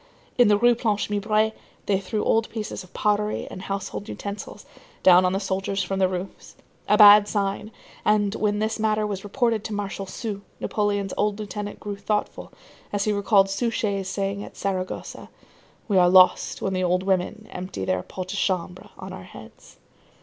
In the Rue Planche Mibray, they threw old pieces of pottery and household utensils down on the soldiers from the roofs; a bad sign; and when this matter was reported to Marshal Soult, Napoleon's old lieutenant grew thoughtful, as he recalled Suchet's saying at Saragossa: "We are lost when the old women empty their pots de chambre on our heads."